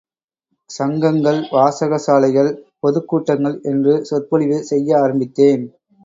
சங்கங்கள், வாசகசாலைகள், பொதுக்கூட்டங்கள் என்று சொற்பொழிவு செய்ய ஆரம்பித்தேன்.